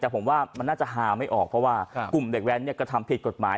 แต่ผมว่ามันน่าจะฮาไม่ออกเพราะว่ากลุ่มเด็กแว้นกระทำผิดกฎหมาย